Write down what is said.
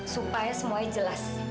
supaya semuanya jelas